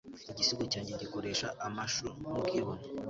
igisigo cyanjye gikoresha amashu nkubwibone